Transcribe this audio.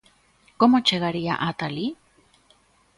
¿Como chegaría ata alí?